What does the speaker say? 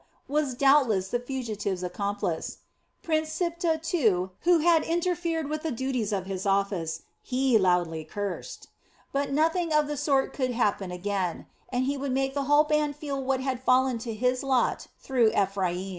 was doubtless the fugitive's accomplice. Prince Siptah, too, who had interfered with the duties of his office, he loudly cursed. But nothing of the sort should happen again; and he would make the whole band feel what had fallen to his lot through Ephraim.